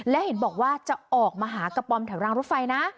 และเห็นบอกว่าจะออกมาหากระป๋อมแถวรางรถไฟนะ